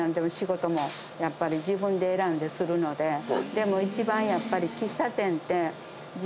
でも一番やっぱり。